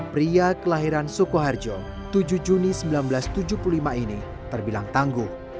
pria kelahiran sukoharjo tujuh juni seribu sembilan ratus tujuh puluh lima ini terbilang tangguh